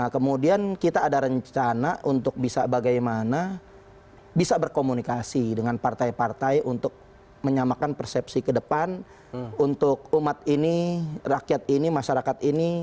kemudian kita ada rencana untuk bisa bagaimana bisa berkomunikasi dengan partai partai untuk menyamakan persepsi ke depan untuk umat ini rakyat ini masyarakat ini